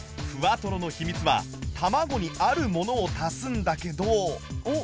フワトロの秘密は卵にあるものを足すんだけど